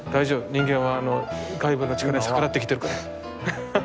人間は外部の力に逆らって生きてるから。